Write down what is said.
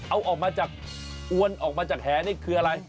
เอาออกมาจากอวนออกมาจากแหนี่คืออะไร